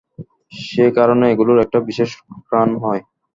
সে কারণে এগুলোর একটা বিশেষ ঘ্রাণ হয়।